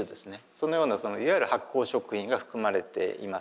そのようなそのいわゆる発酵食品が含まれています。